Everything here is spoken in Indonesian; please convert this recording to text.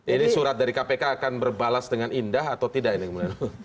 ini surat dari kpk akan berbalas dengan indah atau tidak ini kemudian